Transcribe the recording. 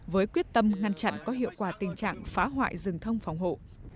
với quyết tâm ngăn chặn có hiệu quả tình trạng phá hoại rừng thông phòng hộ